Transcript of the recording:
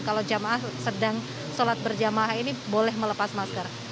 kalau jemaah sedang sholat berjemaah ini boleh melepas masker